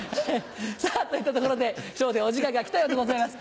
さぁといったところで『笑点』お時間が来たようでございます。